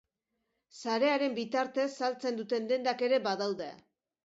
Sarearen bitartez saltzen duten dendak ere badaude.